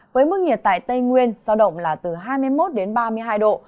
với mức nhiệt tại tây nguyên do động là từ hai mươi một ba mươi hai độ